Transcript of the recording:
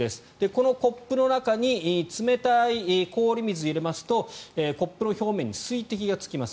このコップの中に冷たい氷水を入れますとコップの表面に水滴がつきます。